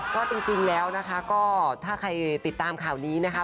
ก็จริงแล้วนะคะก็ถ้าใครติดตามข่าวนี้นะคะ